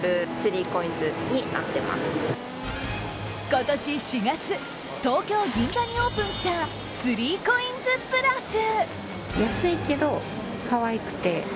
今年４月東京・銀座にオープンしたスリーコインズプラス。